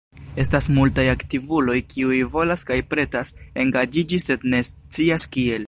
Estas multaj aktivuloj kiuj volas kaj pretas engaĝiĝi sed ne scias kiel.